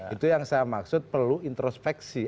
itu yang saya maksud perlu introspeksi